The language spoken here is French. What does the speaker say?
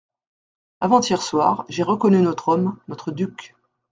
Avant-hier soir, j'ai reconnu notre homme, notre duc.